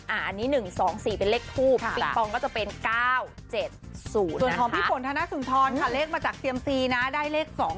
อันนี้๑๒๔เป็นเลขทูบปิงปองก็จะเป็น๙๗๐ส่วนของพี่ฝนธนสุนทรค่ะเลขมาจากเซียมซีนะได้เลข๒๒